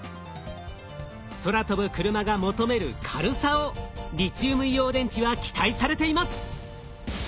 空飛ぶクルマが求める軽さをリチウム硫黄電池は期待されています。